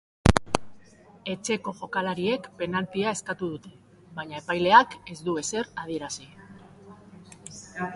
Etxeko jokalariek penaltia eskatu dute, baina epaileak ez du ezer adierazi.